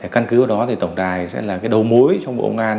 căn cứ vào đó thì tổng đài sẽ là cái đầu mối trong bộ công an